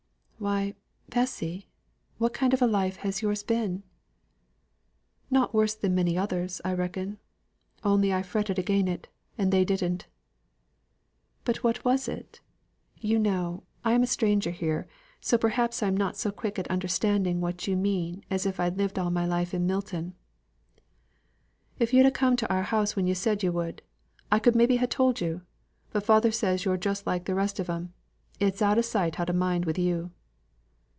"Why, Bessy, what kind of a life has yours been?" "Nought worse than many others,' I reckon. Only I fretted against it, and they didn't." "But what was it? You know, I'm a stranger here, so perhaps I'm not so quick at understanding what you mean as if I'd lived all my life at Milton." "If yo'd ha' come to our house when yo' said yo' would, I could maybe ha' told you. But father says yo're just like th' rest on 'em; its out o' sight out o' mind wi' you."